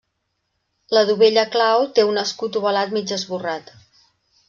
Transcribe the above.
La dovella clau té un escut ovalat mig esborrat.